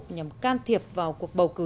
nhằm can thiệp vào cuộc bầu cử